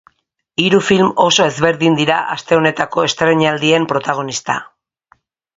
Hiru film oso ezberdin dira aste honetako estreinaldien protagonista.